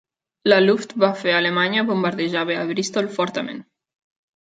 La Luftwaffe alemanya bombardejada a Bristol fortament.